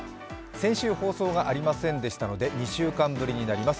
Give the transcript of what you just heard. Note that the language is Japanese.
先週放送がありませんでしたので２週間ぶりになります。